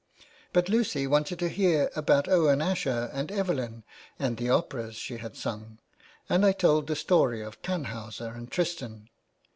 But Lucy wanted to hear about Owen Asher and Evelyn, and the operas she had sung, and I told the story of Tannhauser and Tristan.